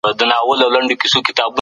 کینه له زړونو وباسئ.